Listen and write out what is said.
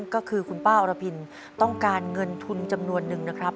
ก็คือคุณป้าอรพินต้องการเงินทุนจำนวนนึงนะครับ